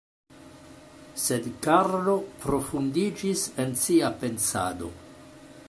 Sed Karlo profundiĝis en sia pensado.